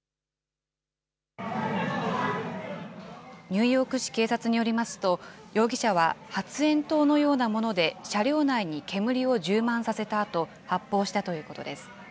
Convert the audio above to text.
ニューヨーク市警察によりますと、容疑者は発煙筒のようなもので車両内に煙を充満させたあと、発砲したということです。